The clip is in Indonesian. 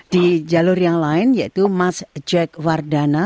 di jalur yang lain yaitu mas jack wardana